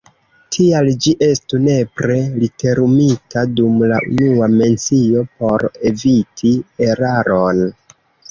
Tial ĝi estu nepre literumita dum la unua mencio por eviti eraron.